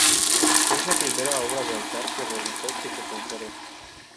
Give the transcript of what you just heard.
Es la primera obra de altar que realizó que se conserva.